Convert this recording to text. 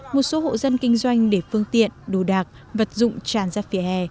một số hộ dân kinh doanh để phương tiện đồ đạc vật dụng tràn ra phía hè